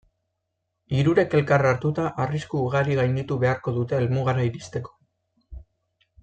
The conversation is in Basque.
Hirurek elkar hartuta, arrisku ugari gainditu beharko dute helmugara iristeko.